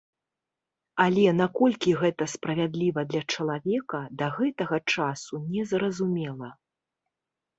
Але наколькі гэта справядліва для чалавека, да гэтага часу не зразумела.